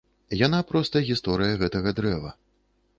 Яна проста гісторыя гэтага дрэва.